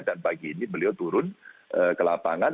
dan pagi ini beliau turun ke lapangan